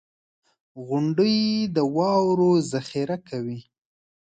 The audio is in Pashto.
• غونډۍ د واورو ذخېره کوي.